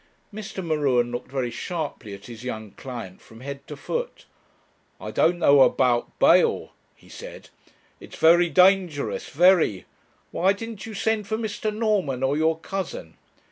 Mr. M'Ruen looked very sharply at his young client from head to foot. 'I don't know about bail,' he said: 'it's very dangerous, very; why didn't you send for Mr. Norman or your cousin?'